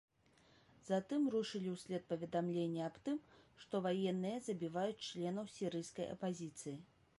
Затым рушылі ўслед паведамленні аб тым, што ваенныя забіваюць членаў сірыйскай апазіцыі.